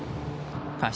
過失